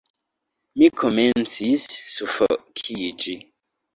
Mi komencis sufokiĝi.